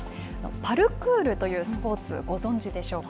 パルクールというスポーツ、ご存じでしょうか。